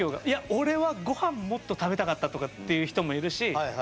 いや俺はごはんもっと食べたかったとかっていう人もいるし。